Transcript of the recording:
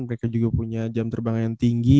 mereka juga punya jam terbang yang tinggi